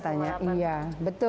masuk ke jawa timur itu